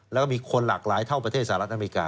แล้วก็มีคนหลากหลายเท่าประเทศสหรัฐอเมริกา